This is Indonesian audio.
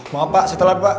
maaf pak setelah pak